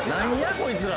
こいつら。